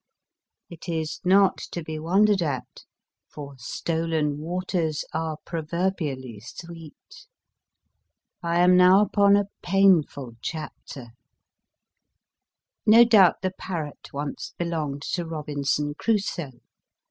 It is not to be wondered at, for stolen waters are proverbially sweet. I am now upon a painful chapter. No doubt the parrot once belonged to Robinson Crusoe.